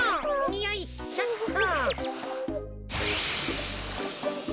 よいしょっと。